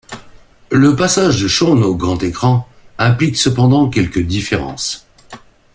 Le passage de Shaun au grand écran implique cependant quelques différences.